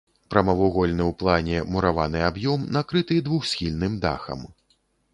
Прамавугольны ў плане мураваны аб'ём накрыты двухсхільным дахам.